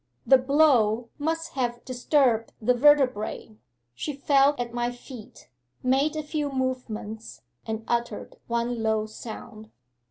The blow must have disturbed the vertebrae; she fell at my feet, made a few movements, and uttered one low sound.